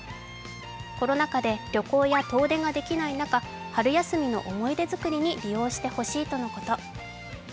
コロナ禍で旅行や遠出ができない中、春休みの思い出作りに利用してほしいとのこと。